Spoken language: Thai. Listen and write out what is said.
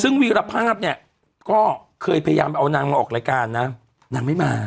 ซึ่งวีรภาพเนี่ยก็เคยพยายามเอานางมาออกรายการนะนางไม่มา